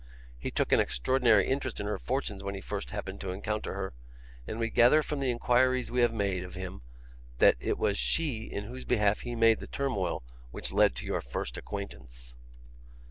He took an extraordinary interest in her fortunes when he first happened to encounter her; and we gather from the inquiries we have made of him, that it was she in whose behalf he made that turmoil which led to your first acquaintance.